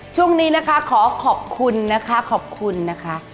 ช่วงนี้นะคะขอขอบคุณนะคะขอบคุณนะคะ